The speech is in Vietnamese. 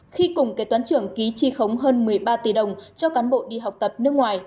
khi cùng kế toán trưởng ký tri khống hơn một mươi ba tỷ đồng cho cán bộ đi học tập nước ngoài